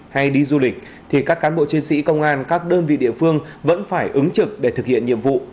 hay đi du lịch thì các cán bộ chiến sĩ công an các đơn vị địa phương vẫn phải ứng trực để thực hiện nhiệm vụ